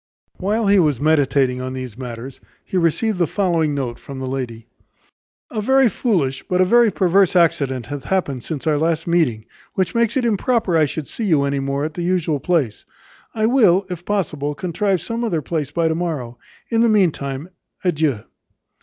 While he was meditating on these matters, he received the following note from the lady: "A very foolish, but a very perverse accident hath happened since our last meeting, which makes it improper I should see you any more at the usual place. I will, if possible, contrive some other place by to morrow. In the meantime, adieu."